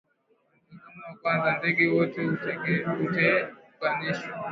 kwa mtazamo wa kwanza ndege wote hutenganishwa